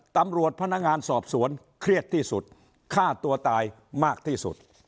ตำรวจพนักงานสอบสวนเครียดที่สุดฆ่าตัวตายมากที่สุด